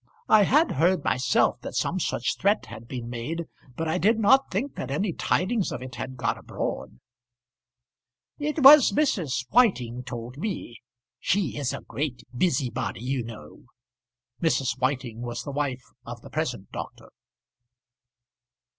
I had heard myself that some such threat had been made, but I did not think that any tidings of it had got abroad." "It was Mrs. Whiting told me. She is a great busybody, you know." Mrs. Whiting was the wife of the present doctor.